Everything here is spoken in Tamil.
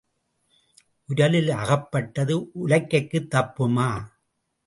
உரலில் அகப்பட்டது உலக்கைக்குத் தப்புமா?